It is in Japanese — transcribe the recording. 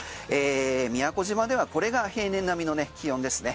宮古島ではこれが平年並みの気温ですね。